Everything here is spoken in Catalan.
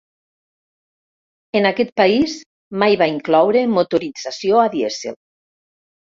En aquest país, mai va incloure motorització a dièsel.